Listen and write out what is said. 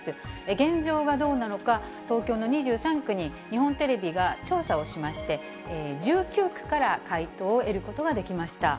現状はどうなのか、東京の２３区に日本テレビが調査をしまして、１９区から回答を得ることができました。